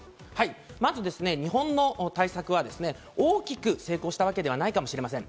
まず日本の対策は大きく成功したわけではないかもしれません。